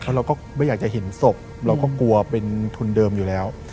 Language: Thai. เราก็ไม่อยากจะเห็นศพเราก็กลัวเป็นทุนเดิมอยู่แล้ว